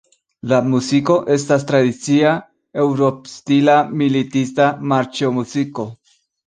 La muziko estas tradicia eŭrop-stila militista marŝo-muziko.